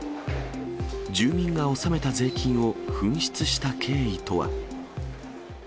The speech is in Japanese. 住民が納めた税金を紛失した経緯とは。